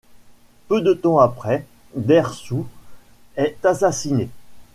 Peu de temps après, Dersou est assassiné.